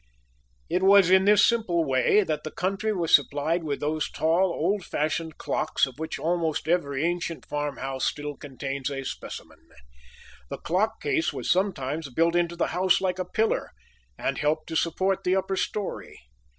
It was in this simple way that the country was supplied with those tall, old fashioned clocks, of which almost every ancient farm house still contains a specimen. The clock case was sometimes built into the house like a pillar, and helped to support the upper story.